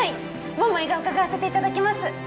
桃井が伺わせていただきます！